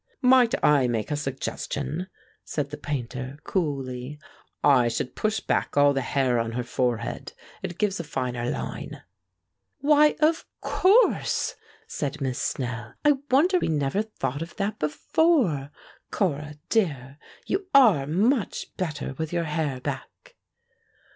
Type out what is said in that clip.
"Might I make a suggestion?" said the Painter, coolly. "I should push back all the hair on her forehead; it gives a finer line." "Why, of course!" said Miss Snell. "I wonder we never thought of that before. Cora dear, you are much better with your hair back."